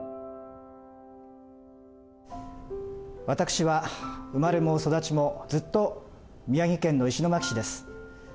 私は生まれも育ちもずっと宮城県の石巻市です。